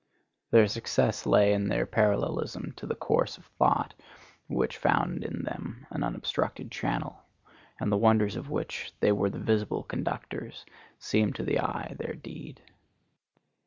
Their success lay in their parallelism to the course of thought, which found in them an unobstructed channel; and the wonders of which they were the visible conductors seemed to the eye their deed.